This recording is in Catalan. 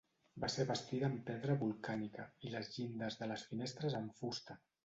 Va ser bastida amb pedra volcànica i les llindes de les finestres amb fusta.